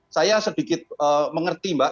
saya sedikit mengerti mbak